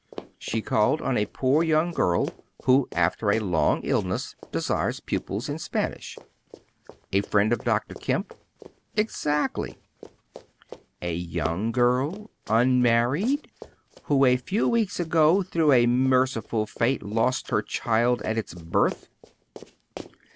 She called on a poor young girl who, after a long illness, desires pupils in Spanish." "A friend of Dr. Kemp." "Exactly." "A young girl, unmarried, who, a few weeks ago, through a merciful fate, lost her child at its birth."